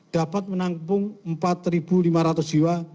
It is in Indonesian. dapat menampung empat lima ratus jiwa